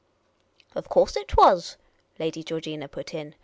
" Of course it was," Lady Georgina put in.